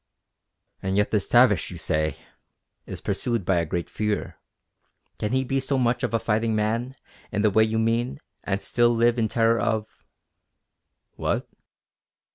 "And yet this Tavish, you say, is pursued by a great fear. Can he be so much of a fighting man, in the way you mean, and still live in terror of...." "_What?